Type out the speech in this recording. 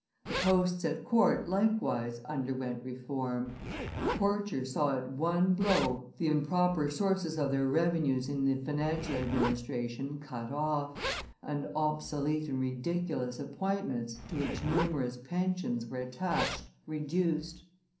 The posts at court likewise underwent reform; the courtiers saw at one blow the improper sources of their revenues in the financial administration cut off, and obsolete and ridiculous appointments, to which numerous pensions, were attached, reduced.